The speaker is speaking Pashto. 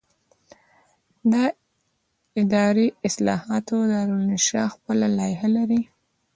د اداري اصلاحاتو دارالانشا خپله لایحه لري.